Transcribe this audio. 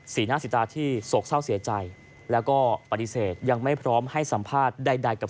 สีหน้าสีตาที่โศกเศร้าเสียใจแล้วก็ปฏิเสธยังไม่พร้อมให้สัมภาษณ์ใดกับ